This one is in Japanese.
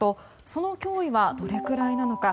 その脅威はどれくらいなのか。